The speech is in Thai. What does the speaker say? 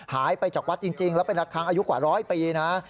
หายไปจากวัดจริงแล้วเป็นระคังอายุกว่าร้อยปีนะ